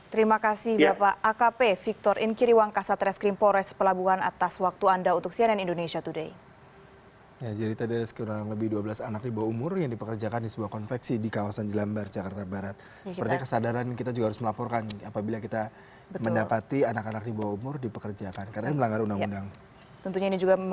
terima kasih bapak akp victor inkiriwang kasatreskrim pores pelabuhan atas waktu anda untuk cnn indonesia today